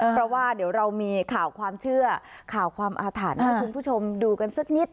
เพราะว่าเดี๋ยวเรามีข่าวความเชื่อข่าวความอาถรรพ์ให้คุณผู้ชมดูกันสักนิด